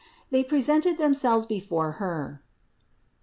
They presented themselves before Her (Ps.